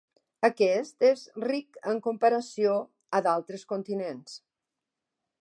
Aquest és ric en comparació a d'altres continents.